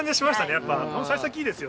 やっぱ幸先いいですよ